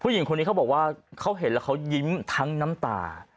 หญิงคนนี้เขาบอกว่าเขาเห็นแล้วเขายิ้มทั้งน้ำตา